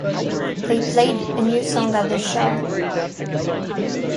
They played a new song at the show.